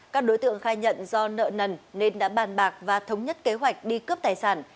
các đối tượng khai nhận do nợ nần nên đã bàn bạc và thống nhất kế hoạch đi cướp tài sản